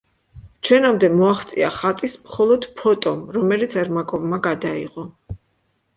ჩვენამდე მოაღწია ხატის მხოლოდ ფოტომ, რომელიც ერმაკოვმა გადაიღო.